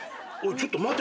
ちょっと待て。